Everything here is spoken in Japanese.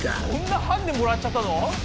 そんなハンデもらっちゃったの？